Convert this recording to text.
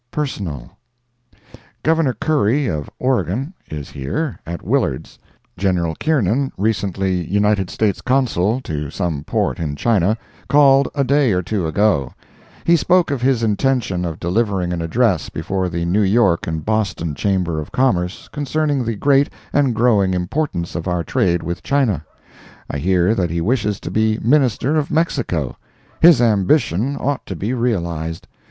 Personal. Governor Curry, of Oregon, is here, at Willard's. General Kiernan, recently United States Consul to some port in China, called a day or two ago. He spoke of his intention of delivering an address before the New York and Boston Chamber of Commerce concerning the great and growing importance of our trade with China. I hear that he wishes to be Minister of Mexico. His ambition ought to be realized.